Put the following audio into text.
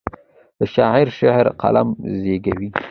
د شاعر شعر قلم زیږوي.